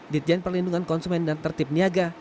ditjen perlindungan konsumen dan tertip niaga